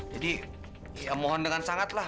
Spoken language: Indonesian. jadi ya mohon dengan sangatlah